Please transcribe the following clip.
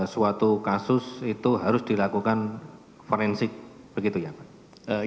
suatu kasus itu harus dilakukan forensik begitu ya pak